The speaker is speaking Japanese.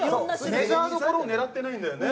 メジャーどころを狙ってないんだよね。